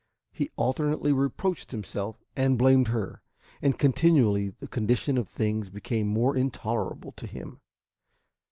He alternately reproached himself and blamed her, and continually the condition of things became more intolerable to him.